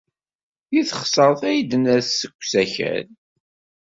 Deg teɣsert ay d-ners seg usakal.